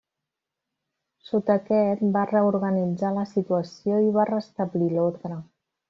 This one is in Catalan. Sota aquest va reorganitzar la situació i va restablir l'orde.